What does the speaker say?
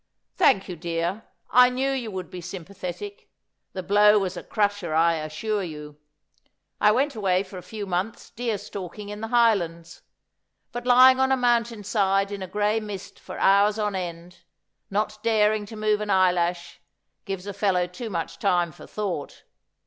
' Thank you, dear. I knew you would be sympathetic. The blow was a crusher, I assure you. I went away for a few months deer stalking in the Highlands ; but lying on a moun tain side in a gray mist for hours on end, not daring to move an eyelash, gives a fellow too much time for thouwht.